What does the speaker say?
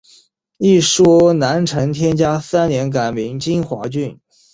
一说南陈天嘉三年改名金华郡。